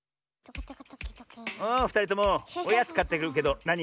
おふたりともおやつかってくるけどなにがいい？